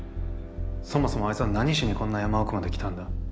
そもそもあいつは何しにこんな山奥まで来たんだ？